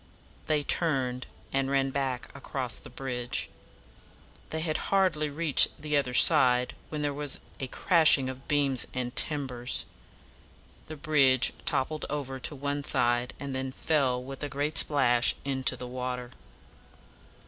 They turned, and ran back across the bridge. They had hardly reached the other side when there was a crashing of beams and timbers. The bridge toppled over to one side, and then fell with a great splash into the water.